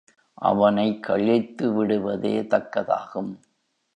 அவனைக் கழித்துவிடுவதே தக்கதாகும்.